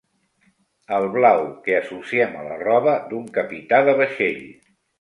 El blau que associem a la roba d'un capità de vaixell.